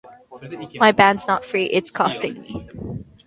My band's not free, it's costing me.